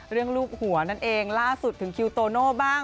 รูปหัวนั่นเองล่าสุดถึงคิวโตโน่บ้าง